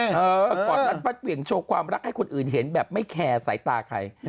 ก่อนรัดฟัดเหวี่ยงโชว์ความรักให้คนอื่นเห็นแบบไม่แคร์สายตาใคร